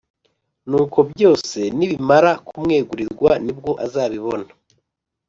Nuko byose nibamara kumwegurirwa ni bwo azabibona